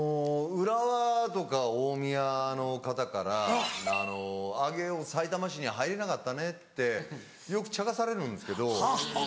浦和とか大宮の方から上尾さいたま市に入れなかったねってよくちゃかされるんですけど。